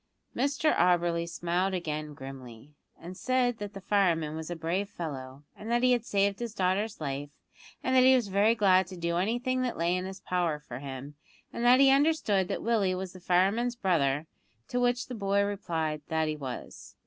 Mr Auberly smiled again grimly, and said that the fireman was a brave fellow, and that he had saved his daughter's life, and that he was very glad to do anything that lay in his power for him, and that he understood that Willie was the fireman's brother; to which the boy replied that he was.